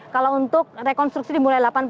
kalau untuk rekonstruksi dimulai delapan empat puluh lima